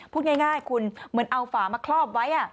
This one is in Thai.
พูดง่ายคุณเหมือนเอาฝามาครอบไว้